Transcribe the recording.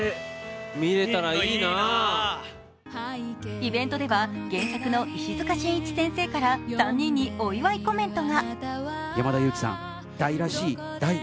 イベントでは原作の石塚真一先生から３人にお祝いコメントが。